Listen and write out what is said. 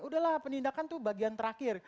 udahlah penindakan itu bagian terakhir